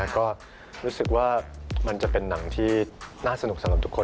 ก็รู้สึกว่ามันจะเป็นหนังที่น่าสนุกสำหรับทุกคน